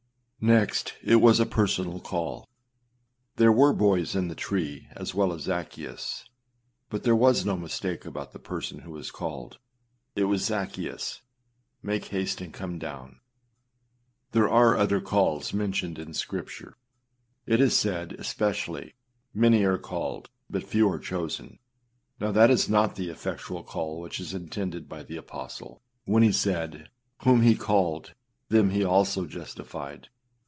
2. Next it was a personal call. There were boys in the tree as well as Zaccheus but there was no mistake about the person who was called. It was, â Zaccheus , make haste and come down.â There are other calls mentioned in Scripture. It is said, especially, âMany are called, but few are chosen.â Now that is not the effectual call which is intended by the aposde, when he said, âWhom he called, them he also justified.